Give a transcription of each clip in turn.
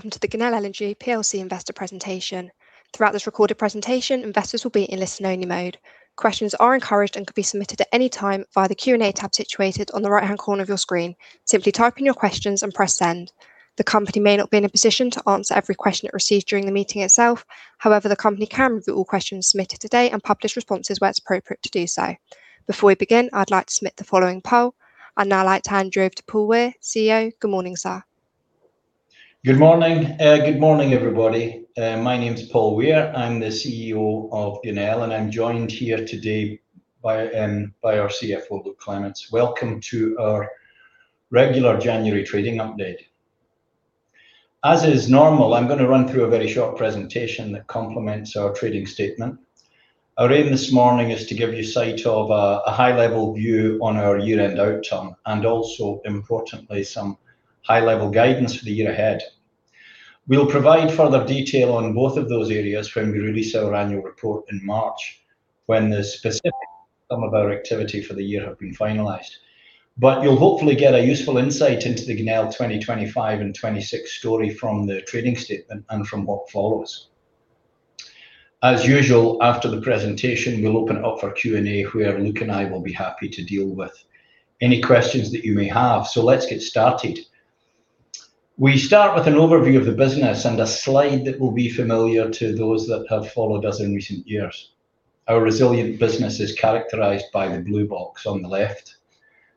Welcome to the Genel Energy PLC Investor Presentation. Throughout this recorded presentation, investors will be in listen-only mode. Questions are encouraged and can be submitted at any time via the Q&A tab situated on the right-hand corner of your screen. Simply type in your questions and press Send. The company may not be in a position to answer every question it receives during the meeting itself. However, the company can review all questions submitted today and publish responses where it's appropriate to do so. Before we begin, I'd like to submit the following poll. I'd now like to hand you over to Paul Weir, CEO. Good morning, sir. Good morning. Good morning, everybody. My name is Paul Weir. I'm the CEO of Genel, and I'm joined here today by our CFO, Luke Clements. Welcome to our regular January trading update. As is normal, I'm gonna run through a very short presentation that complements our trading statement. Our aim this morning is to give you sight of a high-level view on our year-end outcome, and also, importantly, some high-level guidance for the year ahead. We'll provide further detail on both of those areas when we release our annual report in March, when the specifics of our activity for the year have been finalized. But you'll hopefully get a useful insight into the Genel 2025 and 2026 story from the trading statement and from what follows. As usual, after the presentation, we'll open it up for Q&A, where Luke and I will be happy to deal with any questions that you may have. Let's get started. We start with an overview of the business and a slide that will be familiar to those that have followed us in recent years. Our resilient business is characterized by the blue box on the left,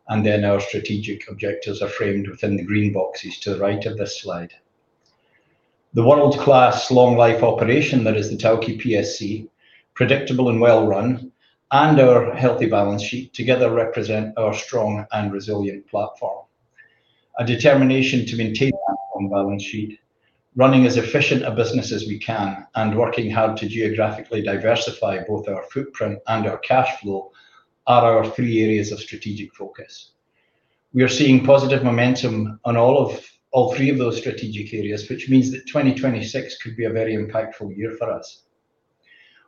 and then our strategic objectives are framed within the green boxes to the right of this slide. The world-class long-life operation, that is the Tawke PSC, predictable and well run, and our healthy balance sheet together represent our strong and resilient platform. A determination to maintain that strong balance sheet, running as efficient a business as we can, and working hard to geographically diversify both our footprint and our cash flow are our three areas of strategic focus. We are seeing positive momentum on all of, all three of those strategic areas, which means that 2026 could be a very impactful year for us.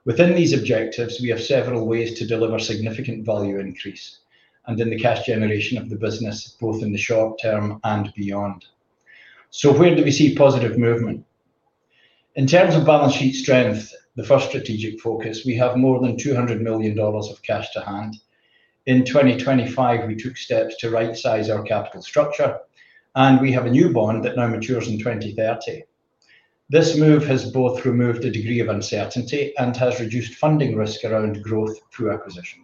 Within these objectives, we have several ways to deliver significant value increase, and in the cash generation of the business, both in the short term and beyond. So where do we see positive movement? In terms of balance sheet strength, the first strategic focus, we have more than $200 million of cash to hand. In 2025, we took steps to rightsize our capital structure, and we have a new bond that now matures in 2030. This move has both removed a degree of uncertainty and has reduced funding risk around growth through acquisition.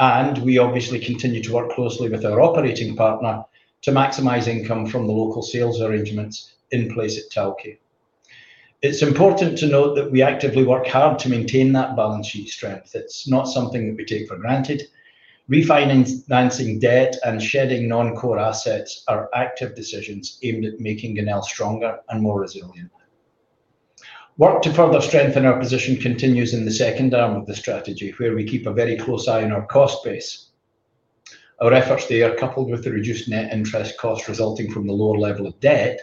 And we obviously continue to work closely with our operating partner to maximize income from the local sales arrangements in place at Tawke. It's important to note that we actively work hard to maintain that balance sheet strength. It's not something that we take for granted. Refinancing debt and shedding non-core assets are active decisions aimed at making Genel stronger and more resilient. Work to further strengthen our position continues in the second arm of the strategy, where we keep a very close eye on our cost base. Our efforts there, coupled with the reduced net interest cost resulting from the lower level of debt,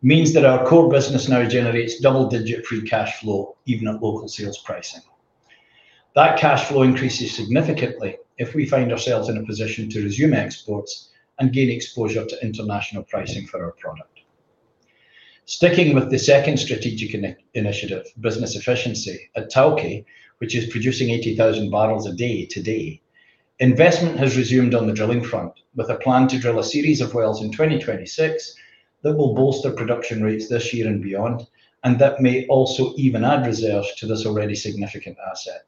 means that our core business now generates double-digit free cash flow, even at local sales pricing. That cash flow increases significantly if we find ourselves in a position to resume exports and gain exposure to international pricing for our product. Sticking with the second strategic initiative, business efficiency, at Tawke, which is producing 80,000 barrels a day today, investment has resumed on the drilling front, with a plan to drill a series of wells in 2026 that will bolster production rates this year and beyond, and that may also even add reserves to this already significant asset.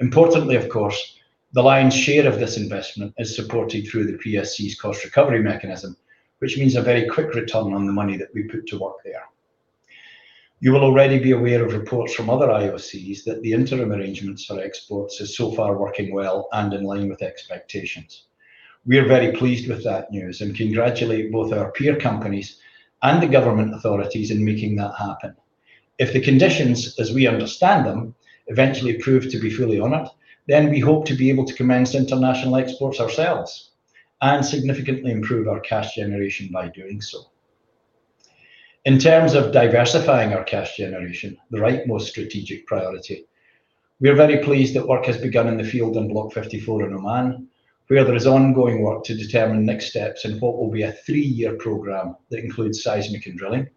Importantly, of course, the lion's share of this investment is supported through the PSC's cost recovery mechanism, which means a very quick return on the money that we put to work there. You will already be aware of reports from other IOCs that the interim arrangements for exports is so far working well and in line with expectations. We are very pleased with that news and congratulate both our peer companies and the government authorities in making that happen. If the conditions, as we understand them, eventually prove to be fully honored, then we hope to be able to commence international exports ourselves and significantly improve our cash generation by doing so. In terms of diversifying our cash generation, the rightmost strategic priority, we are very pleased that work has begun in the field on Block 54 in Oman, where there is ongoing work to determine next steps in what will be a three-year program that includes seismic and drilling.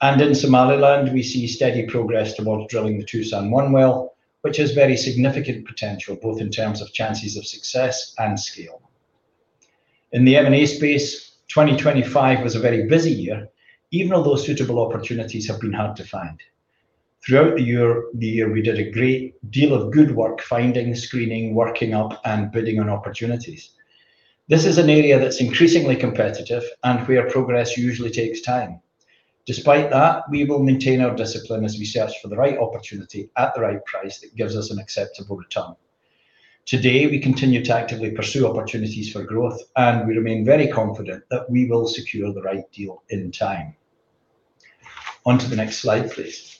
And in Somaliland, we see steady progress towards drilling the Toosan-1 well, which has very significant potential, both in terms of chances of success and scale. In the M&A space, 2025 was a very busy year, even although suitable opportunities have been hard to find. Throughout the year, we did a great deal of good work finding, screening, working up, and bidding on opportunities. This is an area that's increasingly competitive and where progress usually takes time. Despite that, we will maintain our discipline as we search for the right opportunity at the right price that gives us an acceptable return. Today, we continue to actively pursue opportunities for growth, and we remain very confident that we will secure the right deal in time. On to the next slide, please.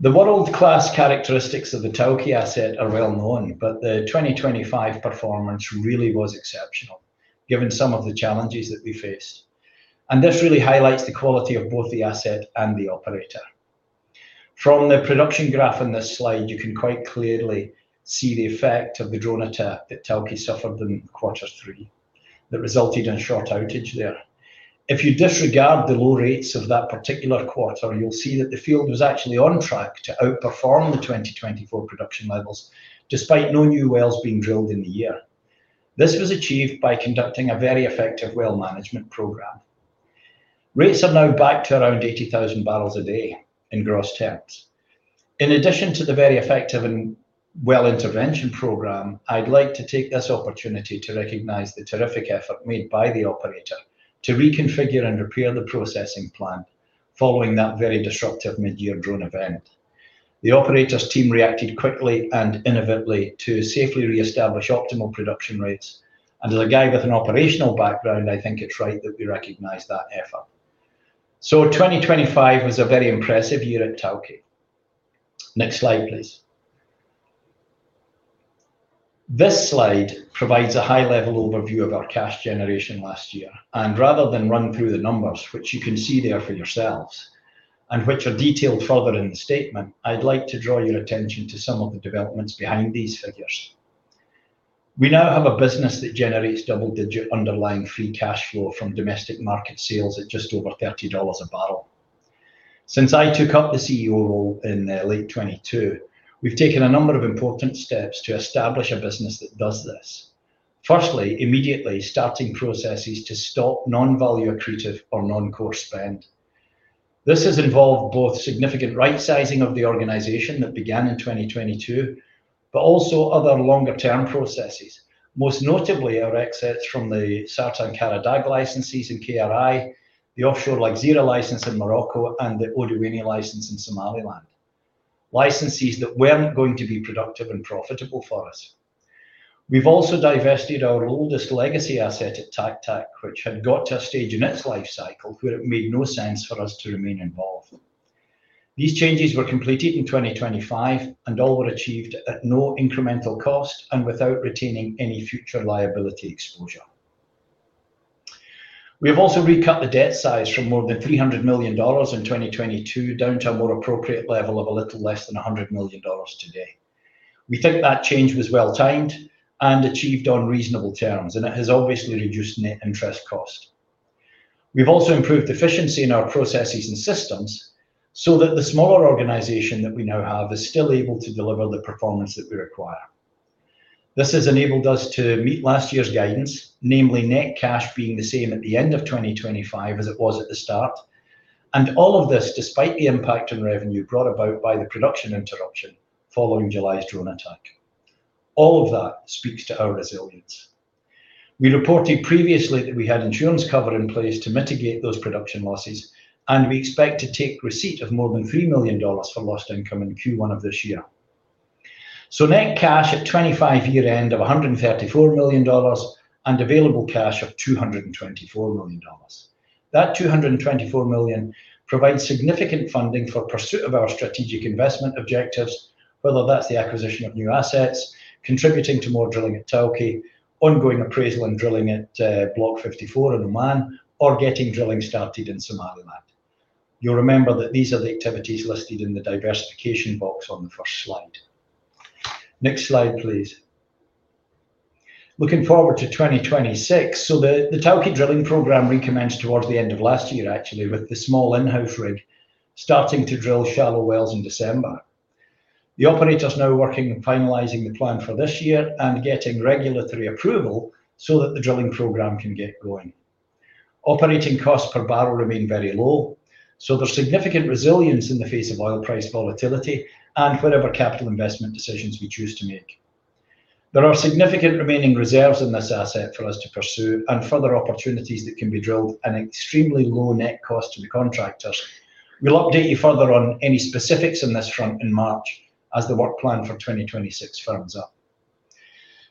The world-class characteristics of the Tawke asset are well known, but the 2025 performance really was exceptional, given some of the challenges that we faced, and this really highlights the quality of both the asset and the operator. From the production graph on this slide, you can quite clearly see the effect of the drone attack that Tawke suffered in quarter three, that resulted in short outage there. If you disregard the low rates of that particular quarter, you'll see that the field was actually on track to outperform the 2024 production levels, despite no new wells being drilled in the year. This was achieved by conducting a very effective well management program. Rates are now back to around 80,000 barrels a day in gross terms. In addition to the very effective and well intervention program, I'd like to take this opportunity to recognize the terrific effort made by the operator to reconfigure and repair the processing plant following that very disruptive mid-year drone event. The operator's team reacted quickly and innovatively to safely reestablish optimal production rates. And as a guy with an operational background, I think it's right that we recognize that effort. So 2025 was a very impressive year at Tawke. Next slide, please. This slide provides a high-level overview of our cash generation last year, and rather than run through the numbers, which you can see there for yourselves, and which are detailed further in the statement, I'd like to draw your attention to some of the developments behind these figures. We now have a business that generates double-digit underlying free cash flow from domestic market sales at just over $30 a barrel. Since I took up the CEO role in late 2022, we've taken a number of important steps to establish a business that does this. Firstly, immediately starting processes to stop non-value accretive or non-core spend. This has involved both significant right-sizing of the organization that began in 2022, but also other longer-term processes. Most notably, our exits from the Sarta and Qara Dagh licenses in KRI, the offshore Lagzira license in Morocco, and the Odewayne license in Somaliland. Licenses that weren't going to be productive and profitable for us. We've also divested our oldest legacy asset at Taq Taq, which had got to a stage in its life cycle where it made no sense for us to remain involved. These changes were completed in 2025, and all were achieved at no incremental cost and without retaining any future liability exposure. We've also reduced the debt size from more than $300 million in 2022, down to a more appropriate level of a little less than $100 million today. We think that change was well-timed and achieved on reasonable terms, and it has obviously reduced net interest cost. We've also improved efficiency in our processes and systems, so that the smaller organization that we now have is still able to deliver the performance that we require. This has enabled us to meet last year's guidance, namely net cash being the same at the end of 2025 as it was at the start, and all of this despite the impact on revenue brought about by the production interruption following July's drone attack. All of that speaks to our resilience. We reported previously that we had insurance cover in place to mitigate those production losses, and we expect to take receipt of more than $3 million for lost income in Q1 of this year. So net cash at 2025 year-end of $134 million, and available cash of $224 million. That $224 million provides significant funding for pursuit of our strategic investment objectives, whether that's the acquisition of new assets, contributing to more drilling at Tawke, ongoing appraisal and drilling at Block 54 in Oman, or getting drilling started in Somaliland. You'll remember that these are the activities listed in the diversification box on the first slide. Next slide, please. Looking forward to 2026, so the Tawke drilling program recommenced towards the end of last year, actually, with the small in-house rig starting to drill shallow wells in December. The operator's now working on finalizing the plan for this year and getting regulatory approval so that the drilling program can get going. Operating costs per barrel remain very low, so there's significant resilience in the face of oil price volatility and whatever capital investment decisions we choose to make. There are significant remaining reserves in this asset for us to pursue, and further opportunities that can be drilled at an extremely low net cost to the contractor. We'll update you further on any specifics on this front in March as the work plan for 2026 firms up.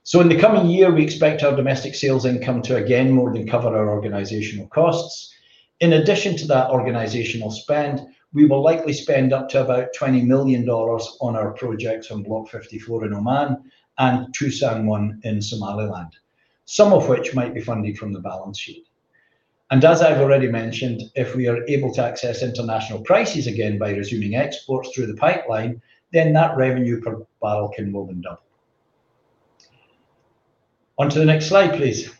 So in the coming year, we expect our domestic sales income to again more than cover our organizational costs. In addition to that organizational spend, we will likely spend up to about $20 million on our projects on Block 54 in Oman and Toosan-1 in Somaliland, some of which might be funded from the balance sheet. And as I've already mentioned, if we are able to access international prices again by resuming exports through the pipeline, then that revenue per barrel can more than double. On to the next slide, please.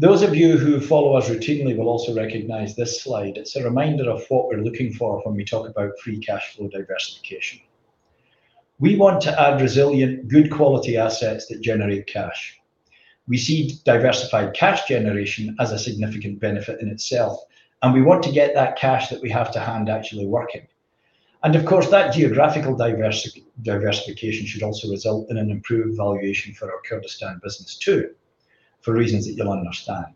Those of you who follow us routinely will also recognize this slide. It's a reminder of what we're looking for when we talk about free cash flow diversification. We want to add resilient, good quality assets that generate cash. We see diversified cash generation as a significant benefit in itself, and we want to get that cash that we have to hand actually working. And of course, that geographical diversification should also result in an improved valuation for our Kurdistan business too, for reasons that you'll understand.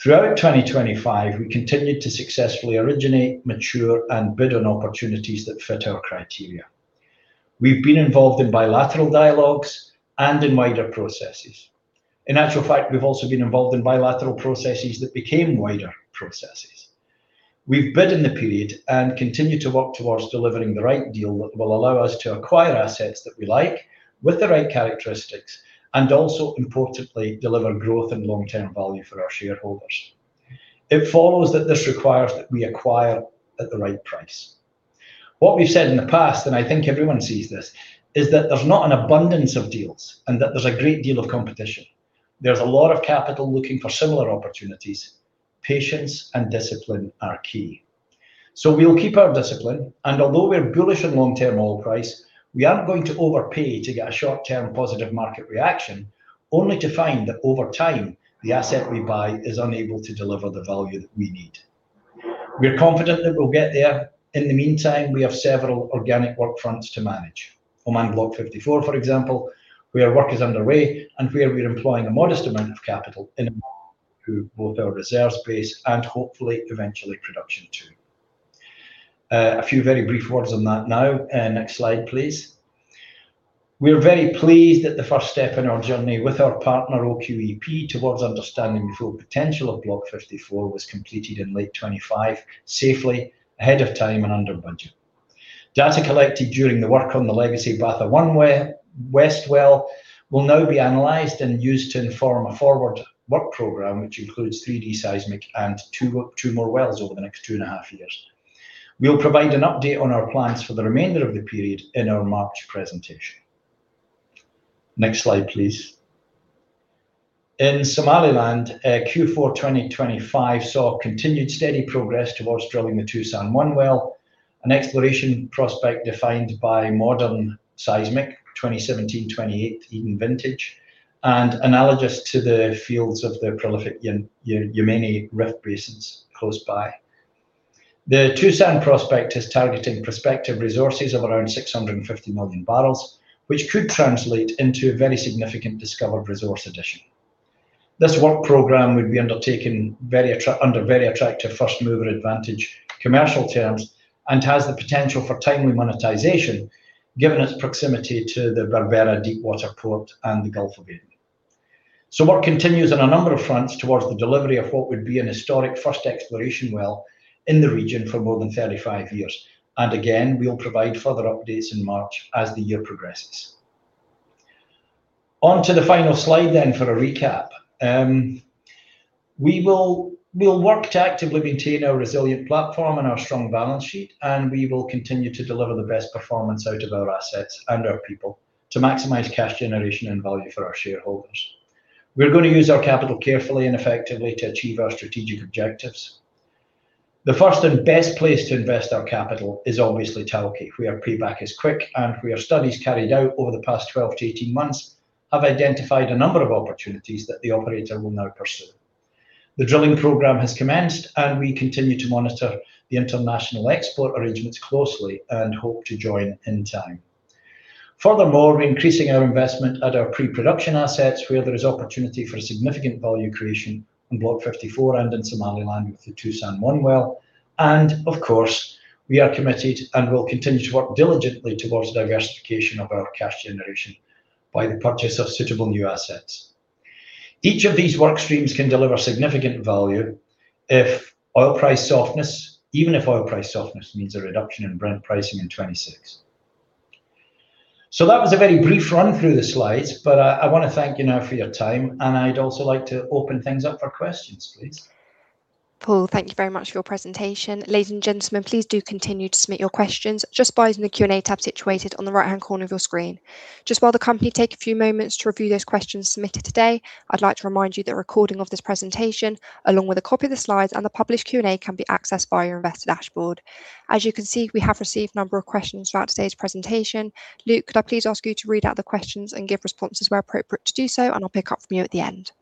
Throughout 2025, we continued to successfully originate, mature, and bid on opportunities that fit our criteria. We've been involved in bilateral dialogues and in wider processes. In actual fact, we've also been involved in bilateral processes that became wider processes. We've bid in the period and continue to work towards delivering the right deal that will allow us to acquire assets that we like with the right characteristics, and also importantly, deliver growth and long-term value for our shareholders. It follows that this requires that we acquire at the right price. What we've said in the past, and I think everyone sees this, is that there's not an abundance of deals, and that there's a great deal of competition. There's a lot of capital looking for similar opportunities. Patience and discipline are key. So we'll keep our discipline, and although we're bullish on long-term oil price, we aren't going to overpay to get a short-term positive market reaction, only to find that over time, the asset we buy is unable to deliver the value that we need. We're confident that we'll get there. In the meantime, we have several organic workfronts to manage. Oman Block 54, for example, where work is underway, and where we're employing a modest amount of capital in both our reserve space and hopefully eventually production, too. A few very brief words on that now. Next slide, please. We are very pleased that the first step in our journey with our partner, OQEP, towards understanding the full potential of Block 54 was completed in late 2025, safely, ahead of time, and under budget. Data collected during the work on the legacy Batha West-1 well will now be analyzed and used to inform a forward work program, which includes 3D seismic and two more wells over the next two and a half years. We'll provide an update on our plans for the remainder of the period in our March presentation. Next slide, please. In Somaliland, Q4 2025 saw continued steady progress towards drilling the Toosan-1 well, an exploration prospect defined by modern seismic, 2017, 2018 even vintage, and analogous to the fields of the prolific Yemeni Rift Basins close by. The Toosan prospect is targeting prospective resources of around 650 million barrels, which could translate into a very significant discovered resource addition. This work program would be undertaken under very attractive first-mover advantage commercial terms, and has the potential for timely monetization, given its proximity to the Berbera Deep Water Port and the Gulf of Aden. So work continues on a number of fronts towards the delivery of what would be an historic first exploration well in the region for more than 35 years. And again, we'll provide further updates in March as the year progresses. Onto the final slide then for a recap. We will, we'll work to actively maintain our resilient platform and our strong balance sheet, and we will continue to deliver the best performance out of our assets and our people to maximize cash generation and value for our shareholders. We're going to use our capital carefully and effectively to achieve our strategic objectives. The first and best place to invest our capital is obviously Tawke, where payback is quick, and where our studies carried out over the past 12-18 months have identified a number of opportunities that the operator will now pursue. The drilling program has commenced, and we continue to monitor the international export arrangements closely, and hope to join in time. Furthermore, we're increasing our investment at our pre-production assets, where there is opportunity for significant value creation in Block 54 and in Somaliland with the Toosan-1 well. Of course, we are committed and will continue to work diligently towards diversification of our cash generation by the purchase of suitable new assets. Each of these work streams can deliver significant value if oil price softness, even if oil price softness means a reduction in Brent pricing in 2026. That was a very brief run through the slides, but I want to thank you now for your time, and I'd also like to open things up for questions, please. Paul, thank you very much for your presentation. Ladies and gentlemen, please do continue to submit your questions just by using the Q&A tab situated on the right-hand corner of your screen. Just while the company take a few moments to review those questions submitted today, I'd like to remind you that a recording of this presentation, along with a copy of the slides and the published Q&A, can be accessed via your investor dashboard. As you can see, we have received a number of questions throughout today's presentation. Luke, could I please ask you to read out the questions and give responses where appropriate to do so, and I'll pick up from you at the end?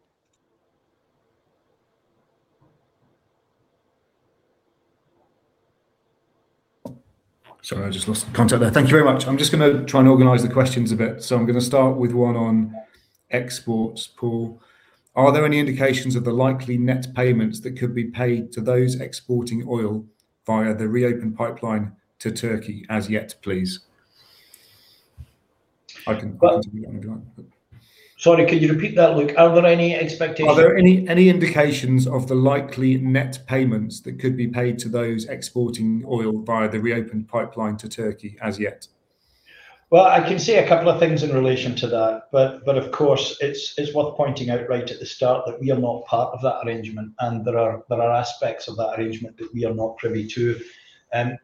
Sorry, I just lost contact there. Thank you very much. I'm just gonna try and organize the questions a bit. So I'm gonna start with one on exports, Paul. Are there any indications of the likely net payments that could be paid to those exporting oil via the reopened pipeline to Turkey as yet, please? I can continue on if you want. Sorry, could you repeat that, Luke? Are there any expectations-- Are there any indications of the likely net payments that could be paid to those exporting oil via the reopened pipeline to Turkey as yet? Well, I can say a couple of things in relation to that, but of course, it's worth pointing out right at the start that we are not part of that arrangement, and there are aspects of that arrangement that we are not privy to.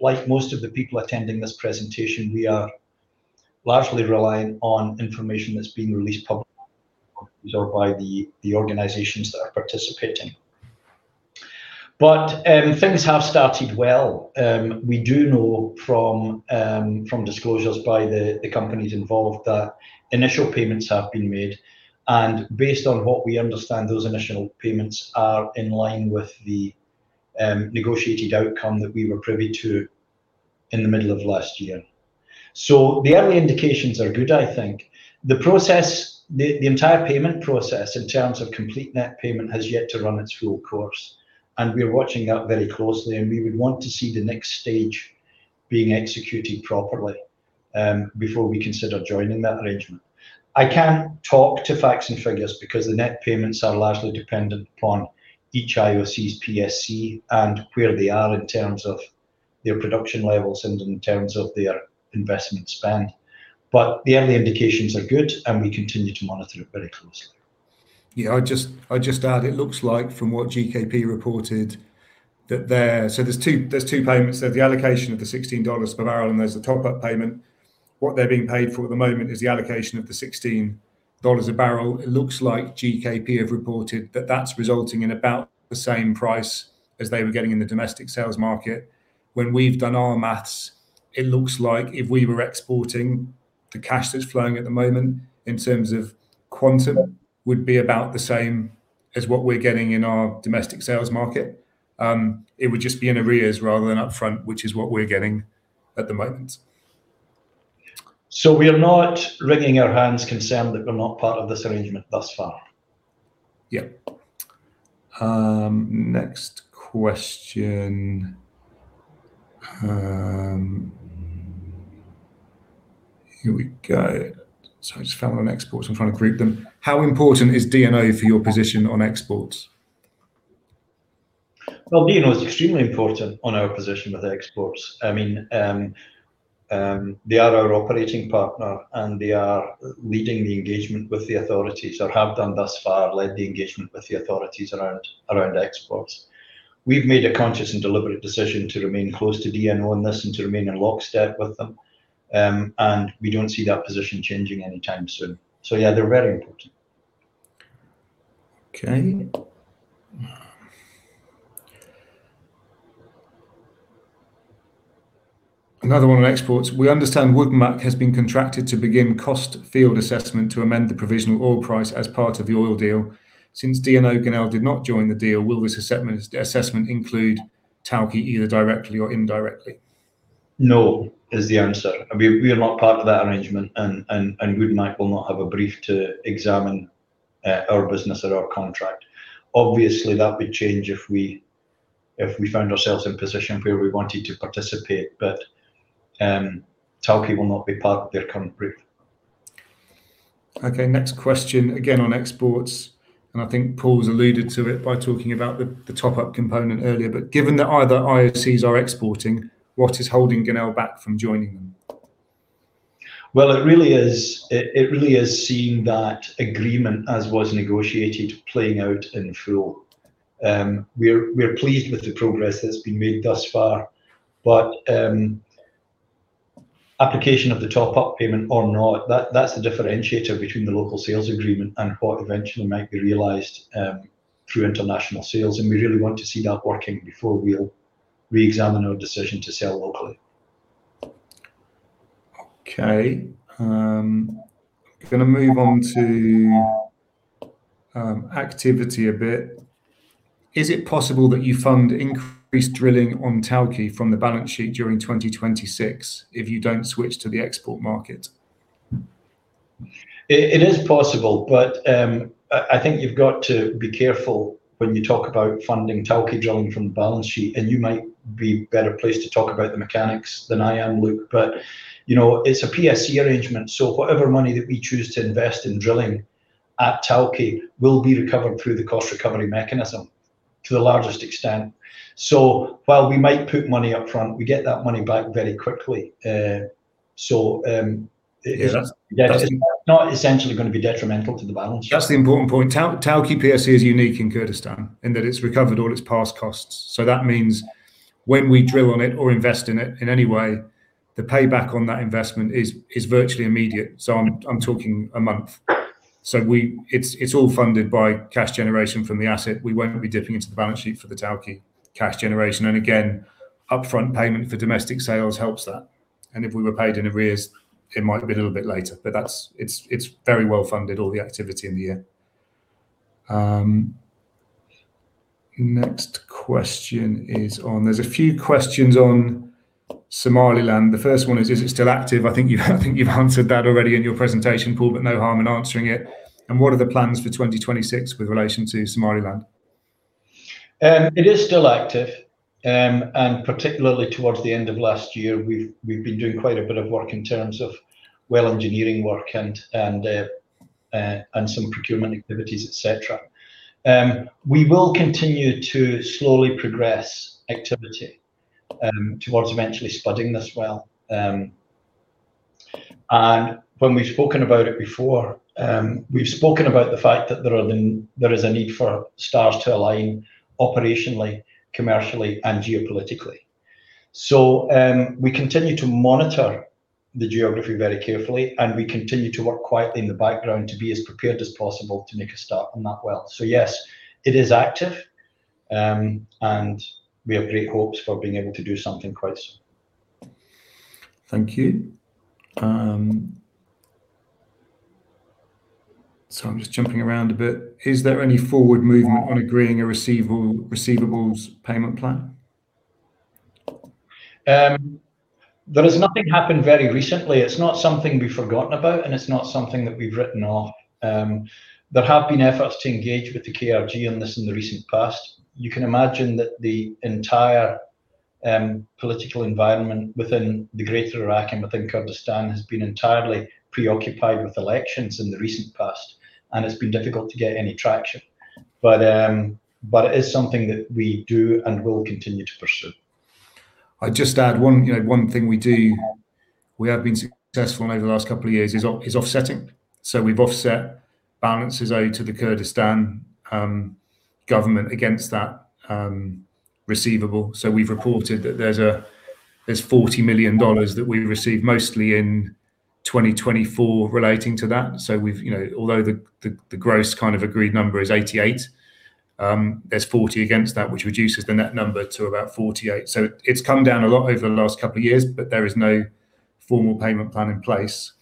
Like most of the people attending this presentation, we are largely relying on information that's being released publicly or by the organizations that are participating. But things have started well. We do know from disclosures by the companies involved, that initial payments have been made, and based on what we understand, those initial payments are in line with the negotiated outcome that we were privy to in the middle of last year. So the early indications are good, I think. The process, the entire payment process in terms of complete net payment, has yet to run its full course, and we are watching that very closely, and we would want to see the next stage being executed properly before we consider joining that arrangement. I can't talk to facts and figures, because the net payments are largely dependent upon each IOC's PSC and where they are in terms of their production levels and in terms of their investment spend. But the early indications are good, and we continue to monitor it very closely. Yeah, I'll just add, it looks like from what GKP reported that there are two payments. There's the allocation of the $16 per barrel, and there's the top-up payment. What they're being paid for at the moment is the allocation of the $16 a barrel. It looks like GKP have reported that that's resulting in about the same price as they were getting in the domestic sales market. When we've done our math, it looks like if we were exporting, the cash that's flowing at the moment in terms of quantum, would be about the same as what we're getting in our domestic sales market. It would just be in arrears rather than upfront, which is what we're getting at the moment. We are not wringing our hands concerned that we're not part of this arrangement thus far. Yeah. Next question. Here we go. I just found one on exports. I'm trying to group them. How important is DNO for your position on exports? Well, DNO is extremely important on our position with exports. I mean, they are our operating partner, and they are leading the engagement with the authorities or have done thus far, led the engagement with the authorities around, around exports. We've made a conscious and deliberate decision to remain close to DNO on this and to remain in lockstep with them. And we don't see that position changing anytime soon. So yeah, they're very important. Okay. Another one on exports: We understand WoodMac has been contracted to begin cost field assessment to amend the provisional oil price as part of the oil deal. Since DNO, Genel did not join the deal, will this assessment include Tawke, either directly or indirectly? No, is the answer. We are not part of that arrangement, and WoodMac will not have a brief to examine our business or our contract. Obviously, that would change if we found ourselves in a position where we wanted to participate, but Tawke will not be part of their current brief. Okay, next question, again on exports, and I think Paul's alluded to it by talking about the, the top-up component earlier. But given that other IOCs are exporting, what is holding Genel back from joining them? Well, it really is seeing that agreement as was negotiated, playing out in full. We're pleased with the progress that's been made thus far, but application of the top-up payment or not, that's the differentiator between the local sales agreement and what eventually might be realized through international sales, and we really want to see that working before we'll reexamine our decision to sell locally. Okay, I'm gonna move on to activity a bit. Is it possible that you fund increased drilling on Tawke from the balance sheet during 2026 if you don't switch to the export market? It is possible, but I think you've got to be careful when you talk about funding Tawke drilling from the balance sheet, and you might be better placed to talk about the mechanics than I am, Luke. But, you know, it's a PSC arrangement, so whatever money that we choose to invest in drilling at Tawke will be recovered through the cost recovery mechanism to the largest extent. So while we might put money up front, we get that money back very quickly. That's-- Not essentially gonna be detrimental to the balance sheet. That's the important point. Tawke PSC is unique in Kurdistan, in that it's recovered all its past costs. So that means when we drill on it or invest in it in any way, the payback on that investment is virtually immediate. So I'm talking a month. So it's all funded by cash generation from the asset. We won't be dipping into the balance sheet for the Tawke cash generation, and again, upfront payment for domestic sales helps that. And if we were paid in arrears, it might be a little bit later, but that's it, it's very well-funded, all the activity in the year. Next question is on. There's a few questions on Somaliland. The first one is: Is it still active? I think you've answered that already in your presentation, Paul, but no harm in answering it. What are the plans for 2026 with relation to Somaliland? It is still active. And particularly towards the end of last year, we've been doing quite a bit of work in terms of well engineering work and some procurement activities, et cetera. We will continue to slowly progress activity towards eventually spudding this well. And when we've spoken about it before, we've spoken about the fact that there is a need for stars to align operationally, commercially, and geopolitically. So, we continue to monitor the geography very carefully, and we continue to work quietly in the background to be as prepared as possible to make a start on that well. So yes, it is active, and we have great hopes for being able to do something quite soon. Thank you. So I'm just jumping around a bit. Is there any forward movement on agreeing a receivable, receivables payment plan? There has nothing happened very recently. It's not something we've forgotten about, and it's not something that we've written off. There have been efforts to engage with the KRG on this in the recent past. You can imagine that the entire political environment within the greater Iraq and within Kurdistan has been entirely preoccupied with elections in the recent past, and it's been difficult to get any traction, but it is something that we do and will continue to pursue. I'd just add one, you know, one thing we do, we have been successful over the last couple of years, is offsetting. So we've offset balances owed to the Kurdistan government against that receivable. So we've reported that there's $40 million that we received mostly in 2024 relating to that. So we've, you know, although the gross kind of agreed number is $88 million, there's $40 million against that, which reduces the net number to about $48 million. So it's come down a lot over the last couple of years, but there is no formal payment plan in place.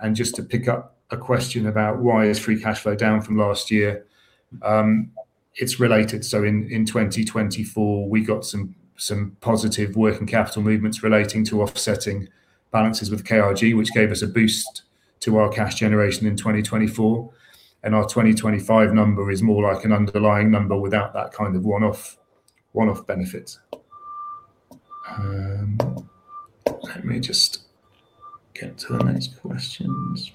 And just to pick up a question about why is free cash flow down from last year? It's related. So in 2024, we got some positive working capital movements relating to offsetting balances with KRG, which gave us a boost to our cash generation in 2024, and our 2025 number is more like an underlying number without that kind of one-off benefits. Let me just get to the next questions.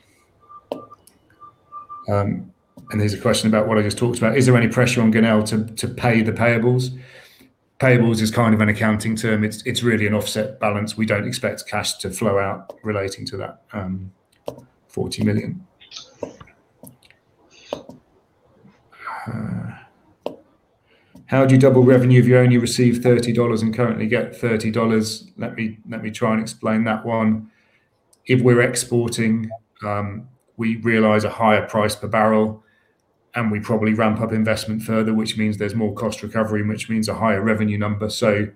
And here's a question about what I just talked about: "Is there any pressure on Genel to pay the payables?" Payables is kind of an accounting term. It's really an offset balance. We don't expect cash to flow out relating to that $40 million. "How do you double revenue if you only receive $30 and currently get $30?" Let me try and explain that one. If we're exporting, we realize a higher price per barrel, and we probably ramp up investment further, which means there's more cost recovery, which means a higher revenue number. So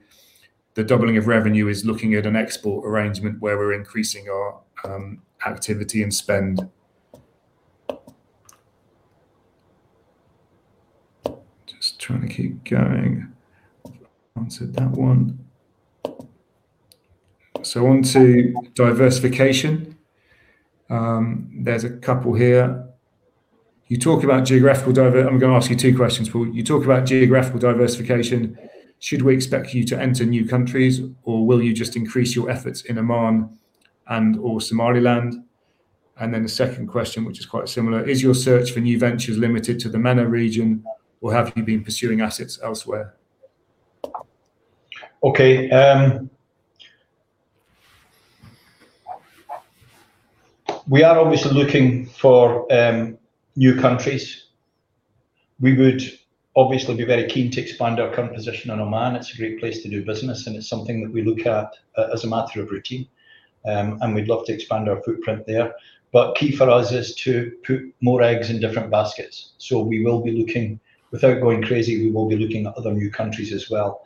the doubling of revenue is looking at an export arrangement where we're increasing our, activity and spend. Just trying to keep going. Answered that one. So on to diversification. There's a couple here. "You talk about geographical diver." I'm gonna ask you two questions, Paul. "You talk about geographical diversification. Should we expect you to enter new countries, or will you just increase your efforts in Oman and/or Somaliland?" And then the second question, which is quite similar: "Is your search for new ventures limited to the MENA region, or have you been pursuing assets elsewhere? Okay, we are obviously looking for new countries. We would obviously be very keen to expand our current position in Oman. It's a great place to do business, and it's something that we look at as a matter of routine. And we'd love to expand our footprint there. But key for us is to put more eggs in different baskets. So we will be looking. Without going crazy, we will be looking at other new countries as well.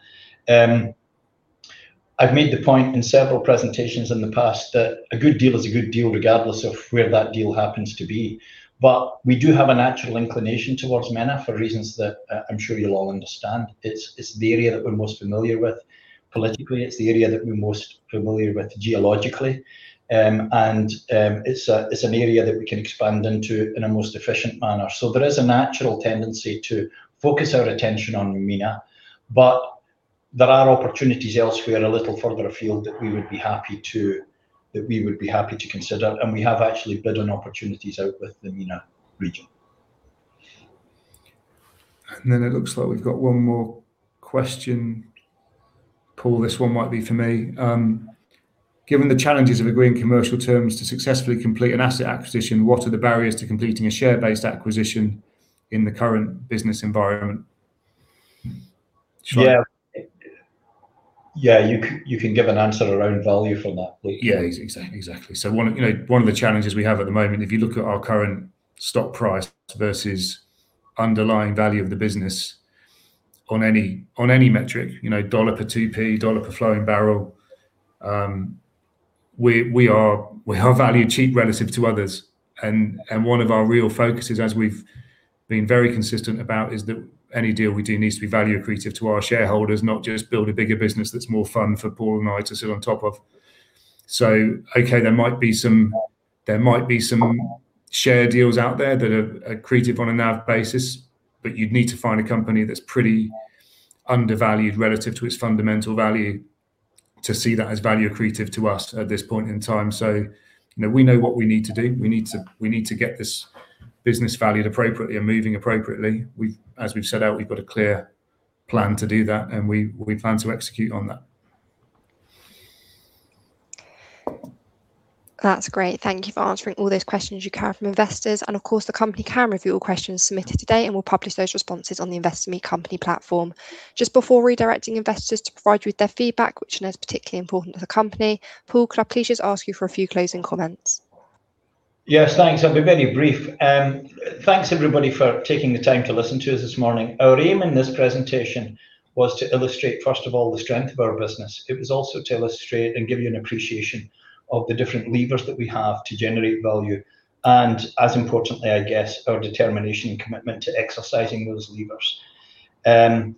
I've made the point in several presentations in the past that a good deal is a good deal, regardless of where that deal happens to be. But we do have a natural inclination towards MENA for reasons that I'm sure you'll all understand. It's the area that we're most familiar with politically. It's the area that we're most familiar with geologically. It's an area that we can expand into in a most efficient manner. So there is a natural tendency to focus our attention on MENA, but there are opportunities elsewhere, a little further afield, that we would be happy to consider, and we have actually bid on opportunities outwith the MENA region. And then it looks like we've got one more question. Paul, this one might be for me. "Given the challenges of agreeing commercial terms to successfully complete an asset acquisition, what are the barriers to completing a share-based acquisition in the current business environment?" Sure. Yeah. Yeah, you can give an answer around value for that, Luke. Yeah, exactly. So, you know, one of the challenges we have at the moment, if you look at our current stock price versus underlying value of the business on any, on any metric, you know, dollar per 2P, dollar per flowing barrel, we are valued cheap relative to others. And one of our real focuses, as we've been very consistent about, is that any deal we do needs to be value accretive to our shareholders, not just build a bigger business that's more fun for Paul and I to sit on top of. So okay, there might be some share deals out there that are accretive on a NAV basis, but you'd need to find a company that's pretty undervalued relative to its fundamental value to see that as value accretive to us at this point in time. So, you know, we know what we need to do. We need to, we need to get this business valued appropriately and moving appropriately. As we've set out, we've got a clear plan to do that, and we plan to execute on that. That's great. Thank you for answering all those questions you got from investors. Of course, the company can review all questions submitted today, and we'll publish those responses on the Investor Meet Company platform. Just before redirecting investors to provide you with their feedback, which I know is particularly important to the company, Paul, could I please just ask you for a few closing comments? Yes, thanks. I'll be very brief. Thanks, everybody, for taking the time to listen to us this morning. Our aim in this presentation was to illustrate, first of all, the strength of our business. It was also to illustrate and give you an appreciation of the different levers that we have to generate value and, as importantly, I guess, our determination and commitment to exercising those levers, and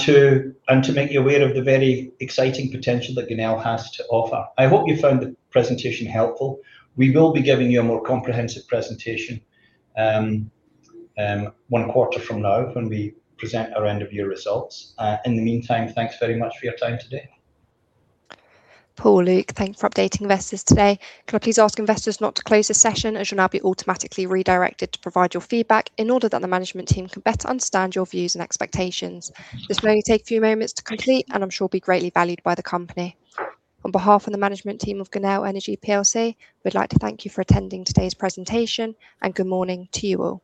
to make you aware of the very exciting potential that Genel has to offer. I hope you found the presentation helpful. We will be giving you a more comprehensive presentation, one quarter from now when we present our end-of-year results. In the meantime, thanks very much for your time today. Paul, Luke, thank you for updating investors today. Can I please ask investors not to close the session, as you'll now be automatically redirected to provide your feedback in order that the management team can better understand your views and expectations? This will only take a few moments to complete and I'm sure be greatly valued by the company. On behalf of the management team of Genel Energy PLC, we'd like to thank you for attending today's presentation, and good morning to you all.